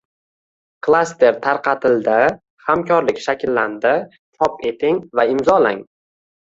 Klaster tarqatildi, hamkorlik shakllandi, chop eting va imzolang